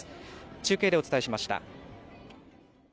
中継でお伝えしました。